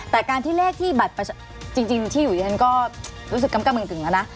แต่การที่เลขที่แบบแบตจริงที่อยู่ดีจันทนส์ก็รู้สึกกำกันมึงกึ่งแล้วนะ